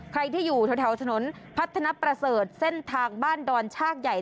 ใครที่อยู่แถวถนนพัฒนประเสริฐเส้นทางบ้านดอนชากใหญ่